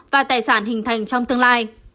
và tài sản hình thành trong tương lai